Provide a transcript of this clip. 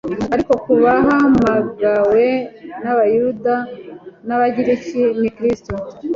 ariko ku bahamagawe b’Abayuda n’Abagiriki ni Kristo;